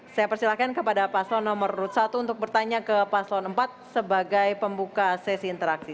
saya persilahkan kepada paslon nomor urut satu untuk bertanya ke paslon empat sebagai pembuka sesi interaksi